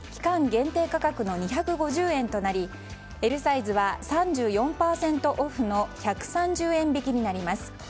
限定価格の２５０円となりＬサイズは３４％オフの１３０円引きになります。